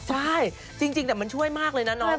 ใช่จริงแต่มันช่วยมากเลยนะน้อง